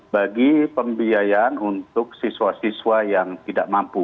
bagi pembiayaan untuk siswa siswa yang tidak mampu